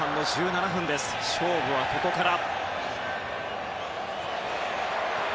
勝負はここから。